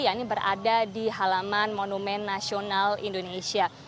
yang ini berada di halaman monumen nasional indonesia